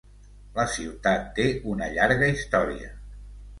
La ciutat té una llarga història.